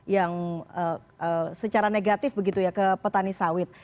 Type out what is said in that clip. yang secara negatif begitu ya ke petani sawit